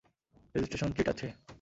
Registration chit আছে?